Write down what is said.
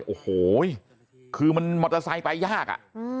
โอ้โหคือมันมอเตอร์ไซค์ไปยากอ่ะ